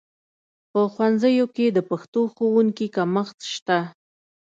په ښوونځیو کې د پښتو ښوونکو کمښت شته